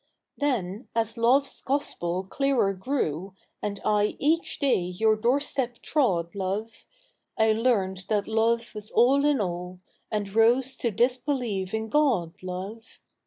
Then, as lo^ e's gospel clearer grew. And I each day your doorstep trod, loi'e, I learned that laie was all in all. And rose to disbelieve in Cod, loz'e.